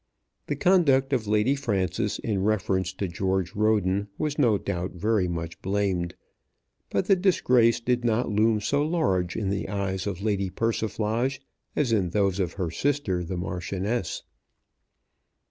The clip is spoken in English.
The conduct of Lady Frances in reference to George Roden was no doubt very much blamed, but the disgrace did not loom so large in the eyes of Lady Persiflage as in those of her sister the Marchioness.